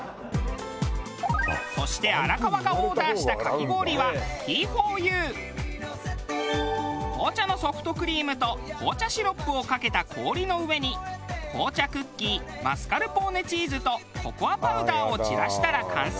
そして荒川がオーダーしたかき氷は紅茶のソフトクリームと紅茶シロップをかけた氷の上に紅茶クッキーマスカルポーネチーズとココアパウダーを散らしたら完成。